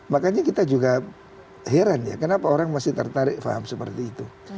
makanya kita juga heran ya kenapa orang masih tertarik faham seperti itu